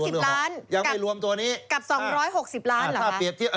๓๐ล้านกับ๒๖๐ล้านหรอคะ